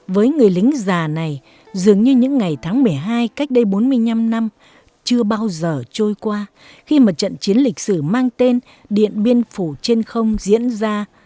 với người lính già này dường như những ngày tháng một mươi hai cách đây bốn mươi năm năm chưa bao giờ trôi qua khi mà trận chiến lịch sử mang tên điện biên phủ trên không diễn ra